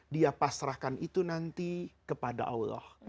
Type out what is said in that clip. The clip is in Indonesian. dia pasrahkan itu nanti kepada allah